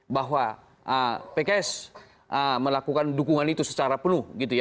bahwa pks melakukan dukungan itu secara penuh gitu ya